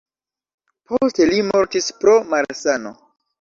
Poste li mortis pro malsano.